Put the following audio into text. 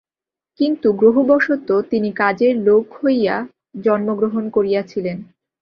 কিন্তু গ্রহবশত তিনি কাজের লোক হইয়া জন্মগ্রহণ করিয়াছিলেন।